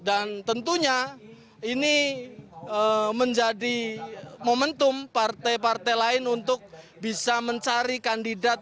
dan tentunya ini menjadi momentum partai partai lain untuk bisa mencari kandidat